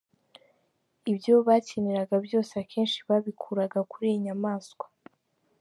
Ibyo bakeneraga byose akenshi babikuraga kuri iyi nyamanswa.